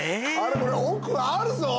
これ億あるぞ。